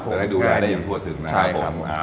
จะได้ดูแลได้อย่างทั่วถึงนะครับผม